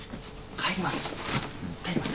帰ります。